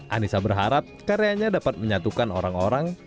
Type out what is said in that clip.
anissa berharap karyanya dapat menyatukan orang orang